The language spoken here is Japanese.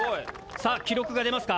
・さあ記録が出ますか？